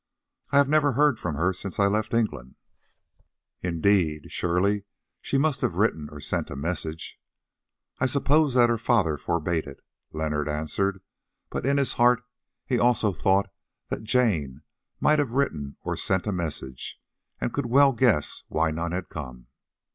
"I have never heard from her since I left England." "Indeed! Surely she might have written or sent a message?" "I suppose that her father forbade it," Leonard answered; but in his heart he also thought that Jane might have written or sent a message, and could well guess why none had come.